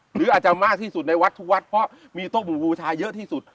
หรืออาจจะมากที่สุดในวัดทุกวัดเพราะมีโต๊ะหมู่บูชาเยอะที่สุด